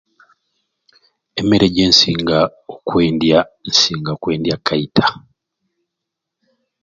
Emmere gyensinga okwendya nsinga kwendya kaita